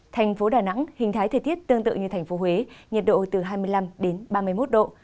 thành phố đà nẵng hình thái thời tiết tương tự như thành phố huế nhiệt độ từ hai mươi năm đến ba mươi một độ